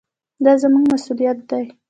دا زموږ مسوولیت دی.